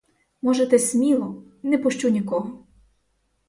Можете сміло, не пущу нікого.